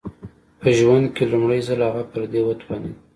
په ژوند کې لومړی ځل هغه پر دې وتوانېد